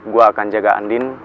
gue akan jaga andi